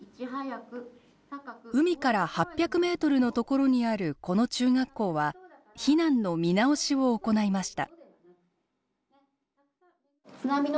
海から８００ｍのところにあるこの中学校は避難の見直しを行いました。